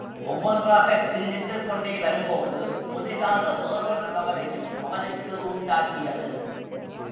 ஒவ்வொன்றாகச் சிந்தித்துக்கொண்டே வரும்போது, புதிதாக வேறொரு கவலையும் அவனுக்கு உண்டாகியது.